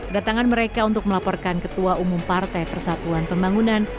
datangan mereka untuk melaporkan ketua umum partai persatuan pembangunan